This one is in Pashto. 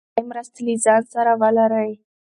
لومړنۍ مرستې له ځان سره ولرئ.